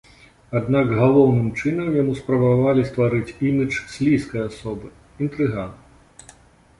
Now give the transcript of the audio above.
Аднак галоўным чынам яму спрабавалі стварыць імідж слізкай асобы, інтрыгана.